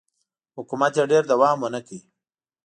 حکومت یې ډېر دوام ونه کړ.